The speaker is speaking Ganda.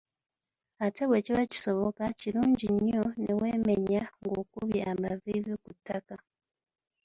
Ate bwe kiba kisoboka, kilungi nnyo ne weemenya ng'okubye amaviivi ku ttaka.